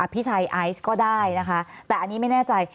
พี่ชัยไอซ์ก็ได้นะคะแต่อันนี้ไม่แน่ใจ